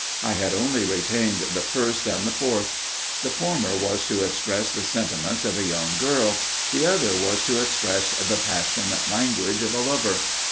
I had only retained the first and the fourth. The former was to express the sentiments of a young girl, the other was to express the passionate language of a lover.